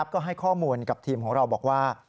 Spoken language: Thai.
ก็ให้ข้อมูลกับทีมของเราบอกว่า